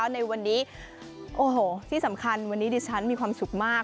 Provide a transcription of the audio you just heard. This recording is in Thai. ในวันนี้โอ้โหที่สำคัญวันนี้ดิฉันมีความสุขมาก